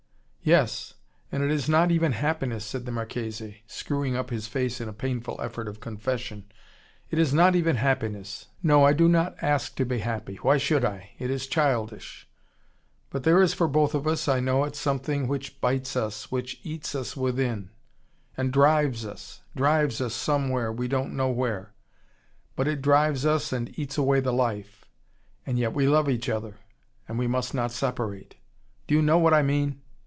"Yes and it is not even happiness," said the Marchese, screwing up his face in a painful effort of confession. "It is not even happiness. No, I do not ask to be happy. Why should I? It is childish but there is for both of us, I know it, something which bites us, which eats us within, and drives us, drives us, somewhere, we don't know where. But it drives us, and eats away the life and yet we love each other, and we must not separate Do you know what I mean?